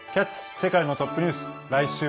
世界のトップニュース」。